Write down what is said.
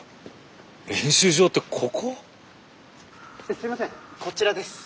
すいませんこちらです。